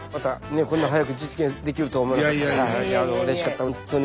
こんな早く実現できると思わなかったからうれしかったほんとに。